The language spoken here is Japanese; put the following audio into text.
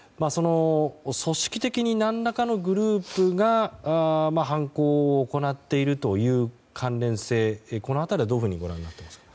組織的に何らかのグループが犯行を行っているという関連性、この辺りはどのようにご覧になってますか。